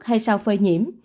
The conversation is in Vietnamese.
hay sau phơi nhiễm